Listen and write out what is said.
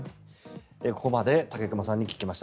ここまで武隈さんに聞きました。